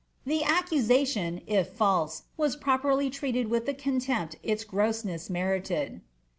The accusation, if lalse, was properly tnued with the contempt its grossness merited.